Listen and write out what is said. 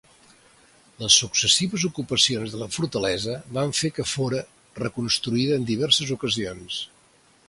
Les successives ocupacions de la fortalesa van fer que fóra reconstruïda en diverses ocasions.